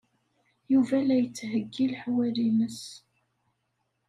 Yuba la yettheyyi leḥwal-nnes.